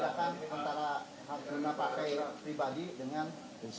jadi kalau dibedakan antara hak guna pak rina pribadi dengan institusi